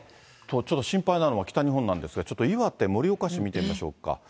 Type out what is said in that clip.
ちょっと心配なのが北日本なんですが、ちょっと岩手・盛岡市見てみましょうか。